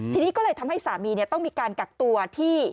ทีนี้ก็เลยทำให้สามีต้องมีการกักตัวที่